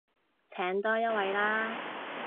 請多一位啦